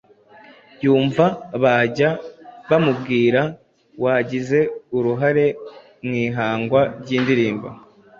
yumva bajya bamubwira wagize uruhare mu ihangwa ry'indirimbo